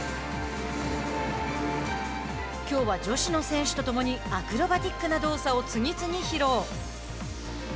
きょうは女子の選手とともにアクロバティックな動作を次々披露。